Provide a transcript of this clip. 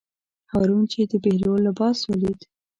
هارون چې د بهلول لباس ولید.